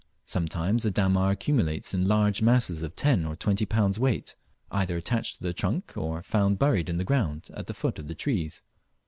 Sometimes the dammar accumulates in large masses of ten or twenty pounds weight, either attached to the trunk, or found buried in the ground at the foot of the trees.